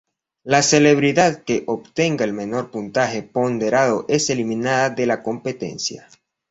La celebridad que obtenga el menor puntaje ponderado es eliminada de la competencia.